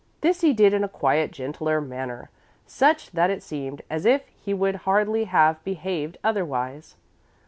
This he did in a quiet, gentler manner, such that it seemed as if he would hardly have behaved otherwise.